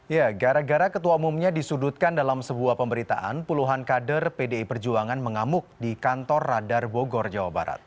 ya gara gara ketua umumnya disudutkan dalam sebuah pemberitaan puluhan kader pdi perjuangan mengamuk di kantor radar bogor jawa barat